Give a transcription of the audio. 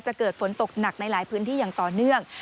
เกิดฝนตกหนักในหลายพื้นที่อย่างต่อเนื่อง